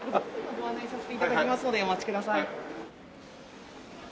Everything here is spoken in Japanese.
ご案内させて頂きますのでお待ちください。